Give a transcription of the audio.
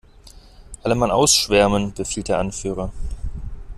"Alle Mann ausschwärmen!", befiehlt der Anführer.